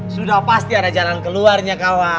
sudah pasti ada jalan keluarnya kawah